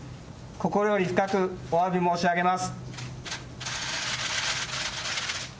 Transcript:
心より深くおわび申し上げます。